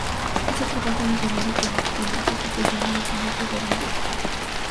Hizo trabajo misionero clandestino, fue capellán de la Condesa de Arundel.